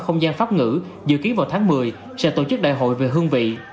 không gian pháp ngữ dự kiến vào tháng một mươi sẽ tổ chức đại hội về hương vị